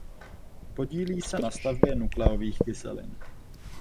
Podílí se na stavbě nukleových kyselin.